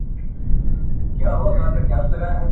سوچه کاپیر وم چي راتلم تر میخانې پوري.